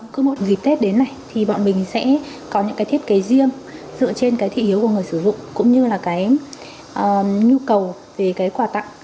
cứ một dịp tết đến này thì bọn mình sẽ có những thiết kế riêng dựa trên thị hiếu của người sử dụng cũng như là nhu cầu về quà tặng